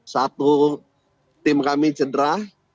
satu tim kami cedera